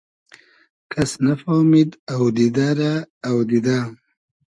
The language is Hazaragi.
کئس نئفامید اۆدیدۂ رۂ اۆدیدۂ